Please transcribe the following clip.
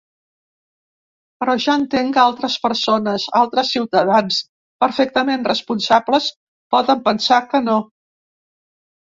Però ja entenc que altres persones, altres ciutadans perfectament responsables, poden pensar que no.